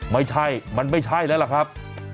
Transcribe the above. ไม่ใช่มันไม่ใช่แล้วล่ะครับ